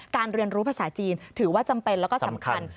เรียนรู้ภาษาจีนถือว่าจำเป็นแล้วก็สำคัญ